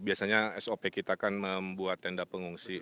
biasanya sop kita kan membuat tenda pengungsi